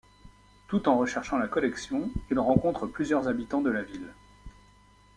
Tout en recherchant la collection, il rencontre plusieurs habitants de la ville.